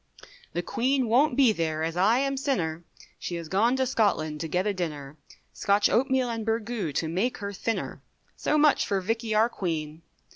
The Queen won't be there, as I am sinner, She has gone to Scotland to get a dinner, Scotch oatmeal and burgoo, to make her thinner, So much for Vickey our Queen.